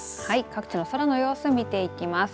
各地の空の様子を見ていきます。